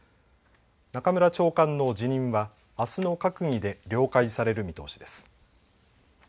中村長官の辞任は、あすの閣議で了解される見通しです。